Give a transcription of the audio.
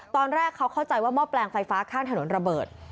ตอนแรกเขาเข้าใจว่าหม้อแปลงไฟฟ้าข้างถนนระเบิด